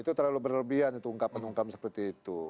itu terlalu berlebihan itu ungkapan ungkapan seperti itu